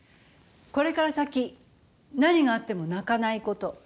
これから先何があっても泣かないこと。